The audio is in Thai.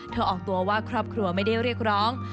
ออกตัวว่าครอบครัวไม่ได้เรียกร้อง